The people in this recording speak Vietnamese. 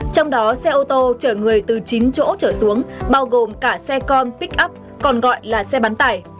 trong đó xe ô tô chở người từ chín chỗ chở xuống bao gồm cả xe con pick up còn gọi là xe bán tải